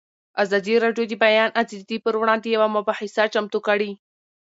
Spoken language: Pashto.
ازادي راډیو د د بیان آزادي پر وړاندې یوه مباحثه چمتو کړې.